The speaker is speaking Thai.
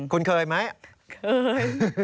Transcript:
คุณเคยไหมเคย